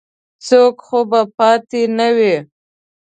څوک خو به پاتې نه وي.